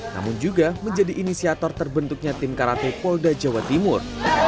namun juga menjadi inisiator terbentuknya tim karate polda jawa timur